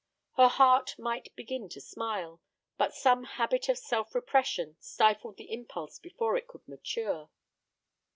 Her heart might begin to smile, but some habit of self repression stifled the impulse before it could mature.